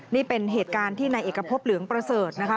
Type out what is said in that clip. นี่เป็นเหตุการณ์ที่ในเอกพบเหลืองประเสริฐนะคะ